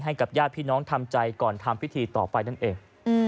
ให้กับญาติพี่น้องทำใจก่อนทำพิธีต่อไปนั่นเอง